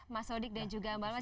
mas odik dan juga mbak loes